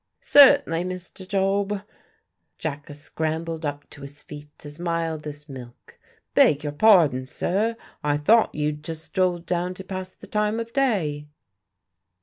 "Cert'nly, Mr. Job." Jacka scrambled up to his feet as mild as milk. "Beg your pardon, sir, I thought you'd just strolled down to pass the time of day."